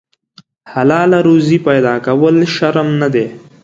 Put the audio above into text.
حلاله روزي پیدا کول شرم نه دی.